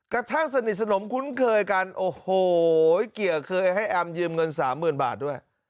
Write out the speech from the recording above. สนิทสนมคุ้นเคยกันโอ้โหเกียร์เคยให้แอมยืมเงินสามหมื่นบาทด้วย